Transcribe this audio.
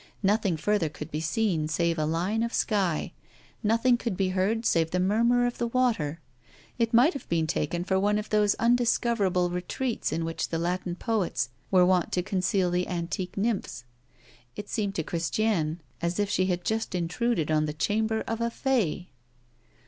Nothing further could be seen, save a line of sky; nothing could be heard save the murmur of the water. It might have been taken for one of those undiscoverable retreats in which the Latin poets were wont to conceal the antique nymphs. It seemed to Christiane as if she had just intruded on the chamber of a fay.